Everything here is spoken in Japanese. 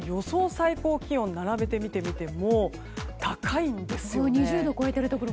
最高気温を並べて見てみても高いんですね。